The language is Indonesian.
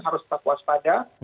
harus tetap waspada